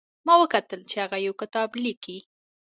ما وکتل چې هغه یو کتاب لیکي